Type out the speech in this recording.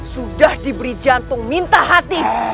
sudah diberi jantung minta hati